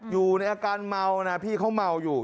อยู่ในอาการเมานะพี่เขาเมาอยู่